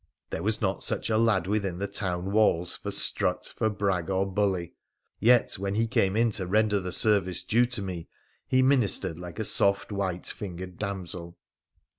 There was not such a lad within the town walls for strut, for brag, or bully, yet when he came in to render the service due to me he ministered like a soft white fingered damsel.